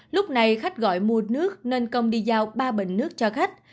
lúc này khách gọi mua nước nên công đi giao ba bình nước cho khách